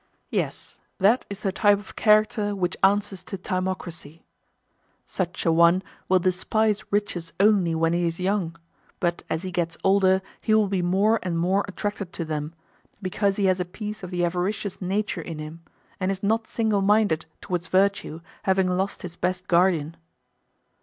Yes, that is the type of character which answers to timocracy. Such an one will despise riches only when he is young; but as he gets older he will be more and more attracted to them, because he has a piece of the avaricious nature in him, and is not single minded towards virtue, having lost his best guardian.